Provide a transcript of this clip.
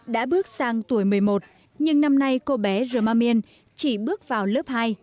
đã bước sang tuổi một mươi một nhưng năm nay cô bé rơ ma miên chỉ bước vào lớp hai